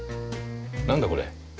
何だこれ。